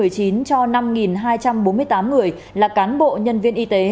cho năm hai trăm bốn mươi tám người là cán bộ nhân viên y tế